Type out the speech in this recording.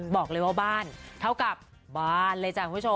บอกเลยว่าบ้านเท่ากับบ้านเลยจ้ะคุณผู้ชม